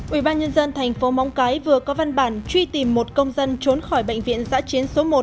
ủy ban nhân dân thành phố móng cái vừa có văn bản truy tìm một công dân trốn khỏi bệnh viện giã chiến số một